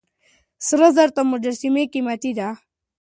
سره زر تر مجسمې قيمتي دي.